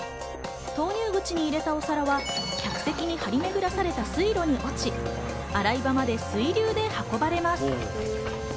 投入口に入れたお皿は客席に張り巡らされた水路に落ち、洗い場まで水流で運ばれます。